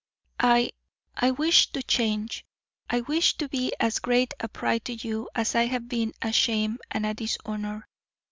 "I I wish to change. I wish to be as great a pride to you as I have been a shame and a dishonour.